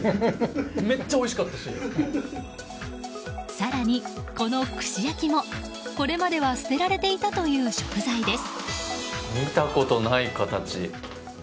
更にこの串焼きも、これまでは捨てられていたという食材です。